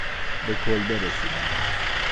به کلبه رسیدند.